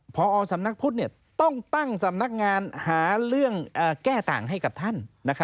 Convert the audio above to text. พอสำนักพุทธต้องตั้งสำนักงานหาเรื่องแก้ต่างให้กับท่าน